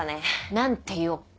何て言おっか。